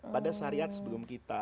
pada syariat sebelum kita